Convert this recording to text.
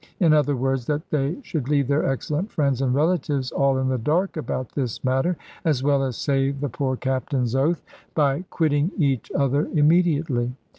In other words, that they should leave their excellent friends and relatives all in the dark about this matter, as well as save the poor Captain's oath, by quitting each other immediately.